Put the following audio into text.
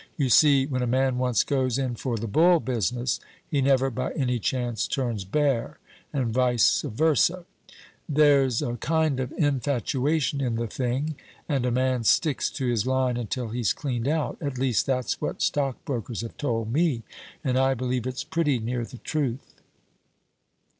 You see, when a man once goes in for the Bull business, he never by any chance turns Bear and vice versa. There's a kind of infatuation in the thing, and a man sticks to his line until he's cleaned out at least, that's what stockbrokers have told me and I believe it's pretty near the truth."